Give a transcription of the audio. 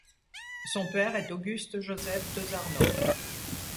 Son père est Auguste-Joseph Desarnod.